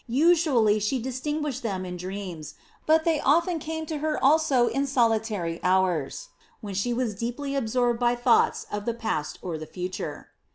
Usually she distinguished them in dreams, but they often came to her also in solitary hours, when she was deeply absorbed by thoughts of the past or the future.